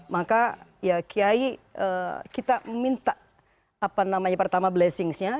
maka ya kiai kita minta apa namanya pertama blessingsnya